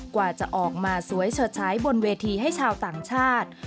กว่าจะออกมาสวยเฉิดฉายบนเวทีให้ชาวต่างชาติ